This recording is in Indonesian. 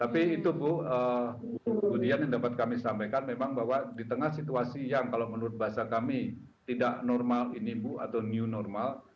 tapi itu bu kemudian yang dapat kami sampaikan memang bahwa di tengah situasi yang kalau menurut bahasa kami tidak normal ini bu atau new normal